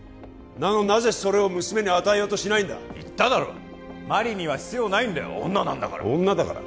なのになぜそれを娘に与えようとしないんだ言っただろ麻里には必要ないんだよ女なんだから女だから？